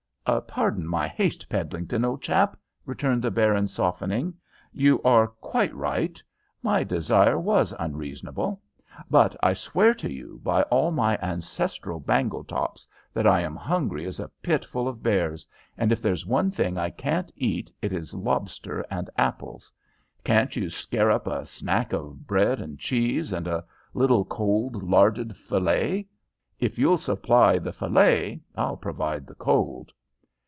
"Pardon my haste, Peddlington, old chap," returned the baron, softening. "You are quite right. My desire was unreasonable; but I swear to you, by all my ancestral Bangletops, that I am hungry as a pit full of bears, and if there's one thing I can't eat, it is lobster and apples. Can't you scare up a snack of bread and cheese and a little cold larded fillet? If you'll supply the fillet, I'll provide the cold."